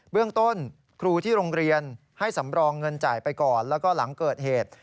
เรื่องต้นครูที่โรงเรียนให้สำรองเงินจ่ายไปก่อนแล้วก็หลังเกิดเหตุ